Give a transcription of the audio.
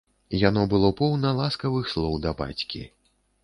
Яно было поўна ласкавых слоў да бацькі.